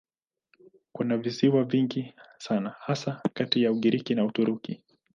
Kuna visiwa vingi sana hasa kati ya Ugiriki na Uturuki.